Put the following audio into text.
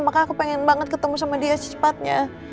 maka aku pengen banget ketemu sama dia secepatnya